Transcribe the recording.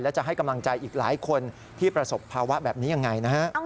และจะให้กำลังใจอีกหลายคนที่ประสบภาวะแบบนี้ยังไงนะฮะ